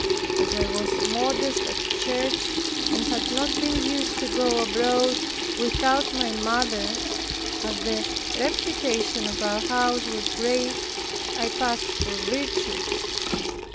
As I was modest at church and had not been used to go abroad without my mother, as the reputation of our house was great, I passed for virtuous.